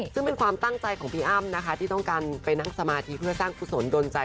ซึ่งเป็นความตั้งใจของพี่อ้ำนะคะที่ต้องการไปนั่งสมาธิเพื่อสร้างกุศลดนใจ